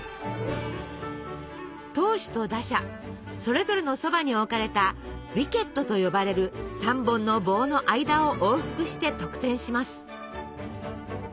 投手と打者それぞれのそばに置かれた「ウィケット」と呼ばれる３本の棒の間を往復して得点します。